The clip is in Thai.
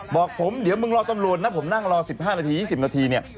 บอกผมเดี๋ยวมึงรอตำรวจนะผมนั่งรอ๑๕นาที๒๐นาทีเนี่ย